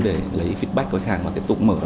để lấy feedback của khách hàng và tiếp tục mở ra